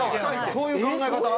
そういう考え方？